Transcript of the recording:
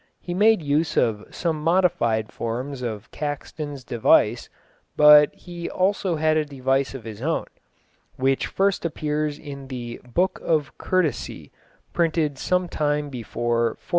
He made use of some modified forms of Caxton's device, but he also had a device of his own, which first appears in the Book of Courtesye printed some time before 1493.